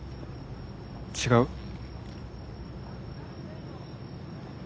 違う？